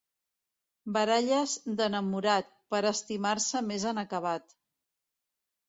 Baralles d'enamorat, per estimar-se més en acabat.